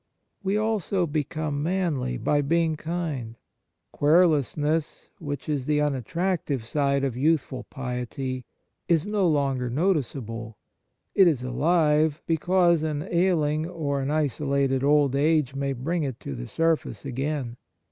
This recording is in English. We also become manly by being kind. Querulousness, which is the unattractive side of youthful piety, is no longer noticeable. It is alive, because an ailing or an isolated old age may bring it to the surface again.